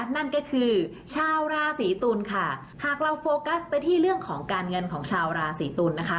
นั่นก็คือชาวราศีตุลค่ะหากเราโฟกัสไปที่เรื่องของการเงินของชาวราศีตุลนะคะ